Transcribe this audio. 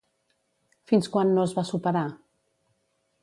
Fins quan no es va superar?